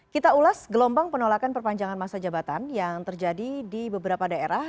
kita ulas gelombang penolakan perpanjangan masa jabatan yang terjadi di beberapa daerah